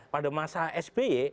pada masa sby